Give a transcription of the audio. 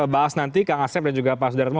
bahas nanti kak asep dan juga pak sudaryatmo